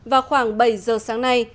vào khoảng bảy giờ sáng nay